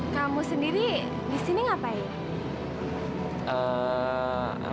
kamu sendiri di sini ngapain